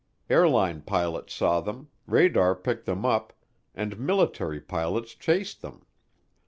Airline pilots saw them, radar picked them up, and military pilots chased them.